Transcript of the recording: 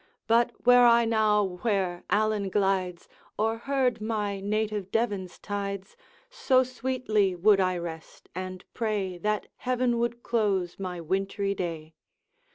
But were I now where Allan glides, Or heard my native Devan's tides, So sweetly would I rest, and pray That Heaven would close my wintry day!